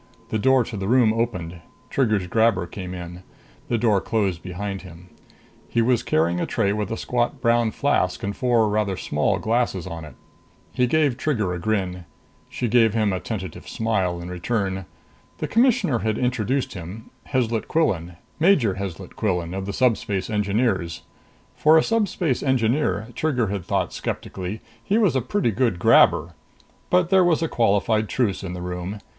The door to the room opened. Trigger's grabber came in. The door closed behind him. He was carrying a tray with a squat brown flask and four rather small glasses on it. He gave Trigger a grin. She gave him a tentative smile in return. The Commissioner had introduced him: Heslet Quillan Major Heslet Quillan, of the Subspace Engineers. For a Subspace Engineer, Trigger had thought skeptically, he was a pretty good grabber. But there was a qualified truce in the room.